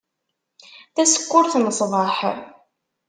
Tasekkurt n ṣbeḥ.